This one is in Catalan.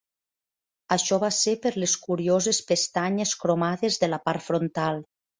Això va ser per les curioses "pestanyes" cromades de la part frontal.